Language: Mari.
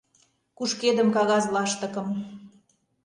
Кушкедым кагаз лаштыкым.